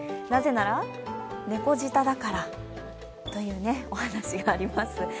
なぜなら、猫舌だからというお話があります。